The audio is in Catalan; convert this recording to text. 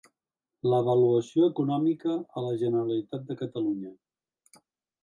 L'avaluació econòmica a la Generalitat de Catalunya.